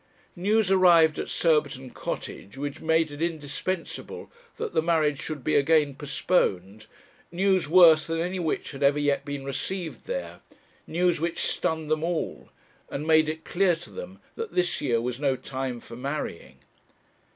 News arrived at Surbiton Cottage which made it indispensable that the marriage should be again postponed, news worse than any which had ever yet been received there, news which stunned them all, and made it clear to them that this year was no time for marrying.